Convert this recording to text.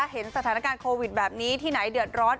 เห็นสถานการณ์โควิดแบบนี้ที่ไหนเดือดร้อน